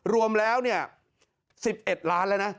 รวมแล้ว๑๑ล้านแล้วนะ